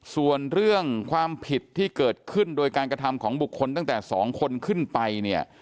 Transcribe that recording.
ส่วนเรื่องความผิดที่เกิดขึ้นโดยการกระทำของบุคคลตั้งแต่๒คนขึ้นไปเนี่ย